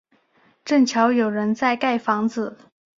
正巧有人在盖房子